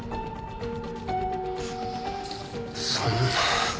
そんな。